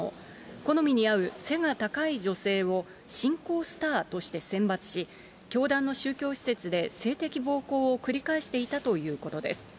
好みに合う背が高い女性を信仰スターとして選抜し、教団の宗教施設で性的暴行を繰り返していたということです。